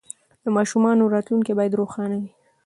د ماشومانو راتلونکې باید روښانه وي.